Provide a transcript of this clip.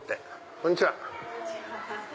こんにちは。